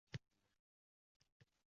Tomorqachilik serdaromad soha